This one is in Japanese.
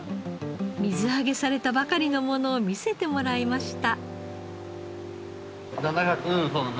水揚げされたばかりのものを見せてもらいました。